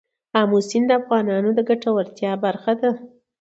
آمو سیند د افغانانو د ګټورتیا برخه ده.